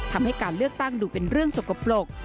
ทำให้การเลือกตั้งดูเป็นเรื่องสกปรก